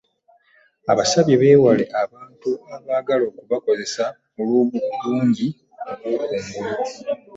Abasabye beewale abantu abaagala okubakozesa olw'obulungi obw'okungulu